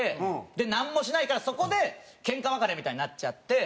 でなんもしないからそこでケンカ別れみたいになっちゃって。